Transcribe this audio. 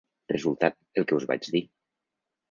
Resultat: el que us vaig dir.